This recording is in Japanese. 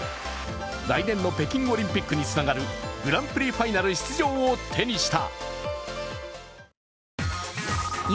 来年の北京オリンピックにつながるグランプリファイナル出場を手にした。